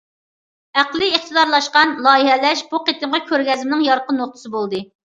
ئەقلىي ئىقتىدارلاشقان لايىھەلەش بۇ قېتىمقى كۆرگەزمىنىڭ يارقىن نۇقتىسى بولدى.